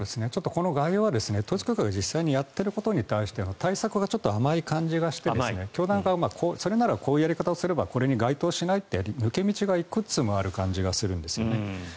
この概要は統一教会が実際にやっていることに対しての対策が甘いと思ってまして教団側、それならこういうやり方をすればこれに該当しないっていう抜け道がいくつもあるような気がするんですよね。